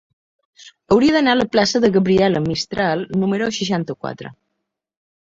Hauria d'anar a la plaça de Gabriela Mistral número seixanta-quatre.